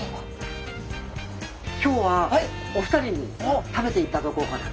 今日はお二人に食べていただこうかなと。